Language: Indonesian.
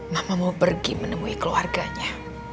mamamu pergi menemui keluarganya